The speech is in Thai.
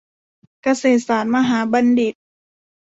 เกษตรศาสตรมหาบัณฑิต